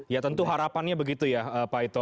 ya tentu harapannya begitu ya pak ito